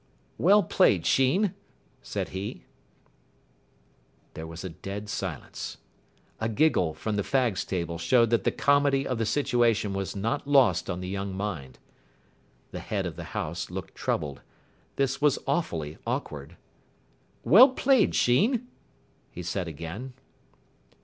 "Well played, Sheen," said he. There was a dead silence. A giggle from the fags' table showed that the comedy of the situation was not lost on the young mind. The head of the house looked troubled. This was awfully awkward. "Well played, Sheen," he said again.